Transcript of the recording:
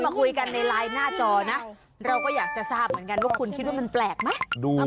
หนึ่งสองสามสี่ห้าหกเจ็ดแปดเก้าสิบ